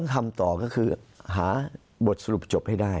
มุมนักวิจักรการมุมประชาชนทั่วไป